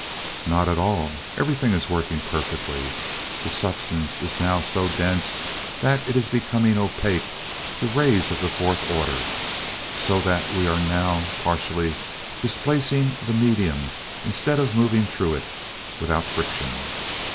"Not at all, everything is working perfectly. The substance is now so dense that it is becoming opaque to rays of the fourth order, so that we are now partially displacing the medium instead of moving through it without friction.